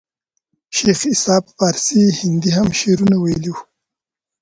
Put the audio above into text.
شېخ عیسي په پاړسي هندي هم شعرونه ویلي وو.